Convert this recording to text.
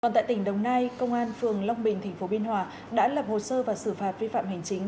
còn tại tỉnh đồng nai công an phường long bình tp biên hòa đã lập hồ sơ và xử phạt vi phạm hành chính